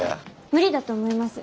無理だと思います。